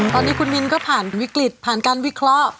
ตอนนี้คุณมินก็ผ่านวิกฤตผ่านการวิเคราะห์